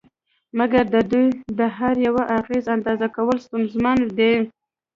مګر د دوی د هر یوه اغېز اندازه کول ستونزمن دي